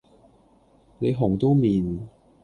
你紅都面